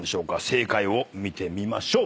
正解を見てみましょう。